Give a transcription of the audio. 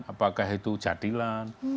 apakah itu jadilan